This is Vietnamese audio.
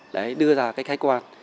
đấy đưa ra cái khách quan